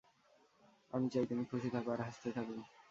আমি চাই তুমি খুশি থাকো, আর হাসতে থাকো।